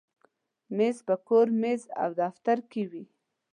مېز په کور، مکتب، او دفتر کې وي.